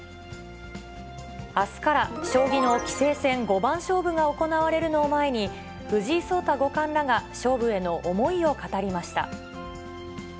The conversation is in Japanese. あすから、将棋の棋聖戦五番勝負が行われるのを前に、藤井聡太五冠らが勝負への思いを語りました。